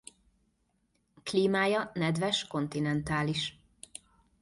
Klímája nedves-kontinentális.